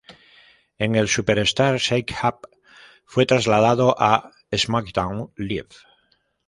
En el Superstars Shake Up fue trasladado a SmackDown Live.